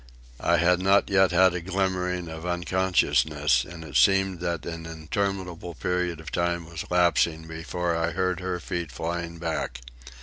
I had not yet had a glimmering of unconsciousness, and it seemed that an interminable period of time was lapsing before I heard her feet flying back.